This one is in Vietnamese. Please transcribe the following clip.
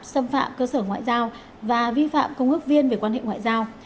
xâm phạm cơ sở ngoại giao và vi phạm công ước viên về quan hệ ngoại giao